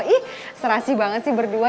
ih serasi banget sih berdua